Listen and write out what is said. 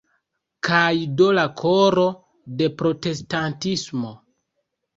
Kaj do la koro de protestantismo.